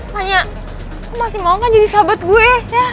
tanya lo masih mau kan jadi sahabat gue